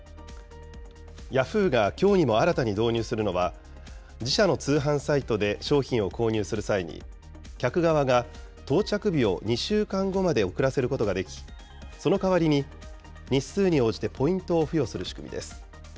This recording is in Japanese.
ヤフーがきょうにも新たに導入するのは、自社の通販サイトで商品を購入する際に、客側が到着日を２週間後まで遅らせることができ、そのかわりに、日数に応じてポイントを付与する仕組みです。